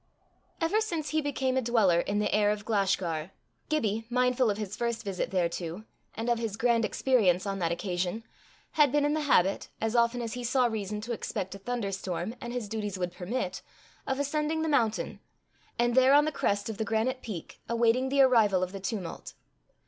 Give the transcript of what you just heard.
Ever since he became a dweller in the air of Glashgar, Gibbie, mindful of his first visit thereto, and of his grand experience on that occasion, had been in the habit, as often as he saw reason to expect a thunder storm, and his duties would permit, of ascending the mountain, and there on the crest of the granite peak, awaiting the arrival of the tumult.